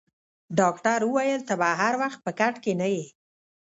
ډاکټر وویل: ته به هر وخت په کټ کې نه یې.